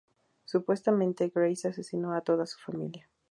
Supuestamente, Grace asesinó a toda su familia.